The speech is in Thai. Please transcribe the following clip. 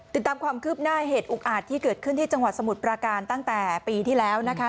ติดตามความคืบหน้าเหตุอุกอาจที่เกิดขึ้นที่จังหวัดสมุทรปราการตั้งแต่ปีที่แล้วนะคะ